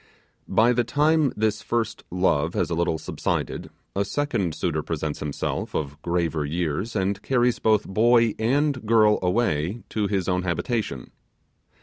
By the time this first love has a little subsided, a second suitor presents himself, of graver years, and carries both boy and girl away to his own habitation.